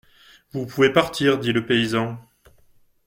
Vous pouvez partir, dit le paysan.